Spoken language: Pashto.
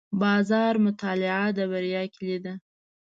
د بازار مطالعه د بریا کلي ده.